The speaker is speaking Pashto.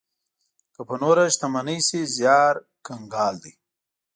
که په نوره شتمني شي زيار کنګال دی.